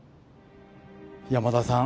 山田さん